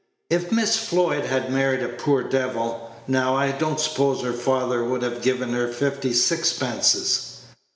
If Miss Floyd had married a poor devil, now, I don't suppose her father would have given her fifty sixpences."